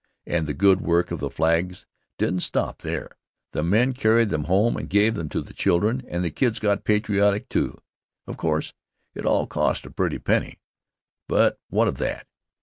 And the good work of the flags didn't stop there. The men carried them home and gave them to the children, and the kids got patriotic, too. Of course, it all cost a pretty penny, but what of that?